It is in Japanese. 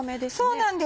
そうなんです。